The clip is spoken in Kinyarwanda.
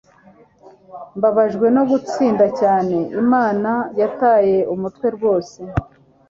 mbabajwe no gutinda cyane. inama yataye umutwe rwose